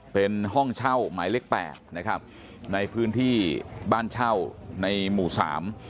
เป็นห้องเช่าหมายเลขแปดนะครับในพื้นที่บ้านเช่าในหมู่สาม